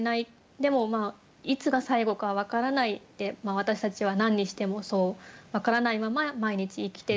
でもいつが最後か分からないって私たちは何にしてもそう分からないまま毎日生きてる。